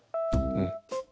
うん。